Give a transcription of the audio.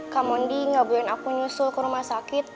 kamu nanti gak bolehin aku nyusul ke rumah sakit